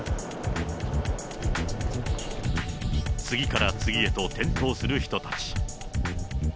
次から次へと転倒する人たち。